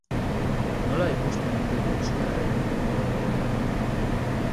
Nola ikusten ote du euskararen egungo egoera?